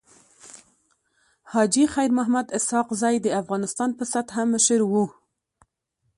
حاجي خير محمد اسحق زی د افغانستان په سطحه مشر وو.